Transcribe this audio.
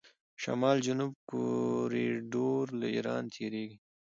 شمال جنوب کوریډور له ایران تیریږي.